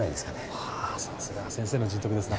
はぁさすが先生の人徳ですな。